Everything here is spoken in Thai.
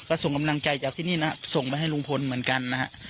ก็ส่งกำลังใจจากที่นี่นะส่งไปให้ลุงพลเหมือนกันนะฮะ